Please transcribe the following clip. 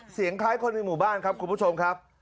คล้ายคนในหมู่บ้านครับคุณผู้ชมครับ